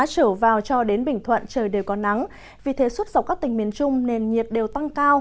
trở vào cho đến bình thuận trời đều có nắng vì thế suốt dọc các tỉnh miền trung nền nhiệt đều tăng cao